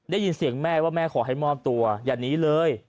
ได้ยินเสียงแม่ว่าแม่ขอให้มอบตัวอย่านี้เลย